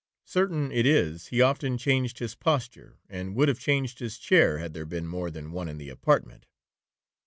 Certain it is, he often changed his posture, and would have changed his chair, had there been more than one in the apartment.